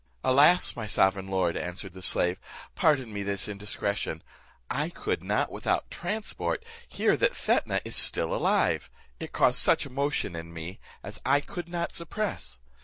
"Alas! my sovereign lord," answered the slave, "pardon me this indiscretion; I could not without transport hear that Fetnah is still alive; it caused such emotion in me, as I could not suppress."